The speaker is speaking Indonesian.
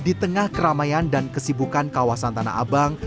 di tengah keramaian dan kesibukan kawasan tanah abang